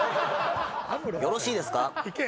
「よろしいですか？」